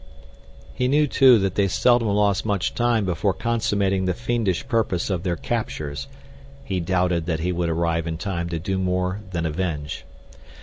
He knew, too, that they seldom lost much time before consummating the fiendish purpose of their captures. He doubted that he would arrive in time to do more than avenge.